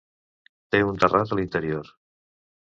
Té un terrat a l'interior.